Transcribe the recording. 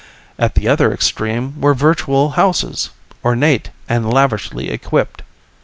At the other extreme were virtual houses, ornate and lavishly equipped.